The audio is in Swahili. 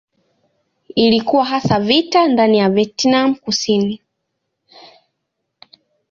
Ilikuwa hasa vita ndani ya Vietnam Kusini.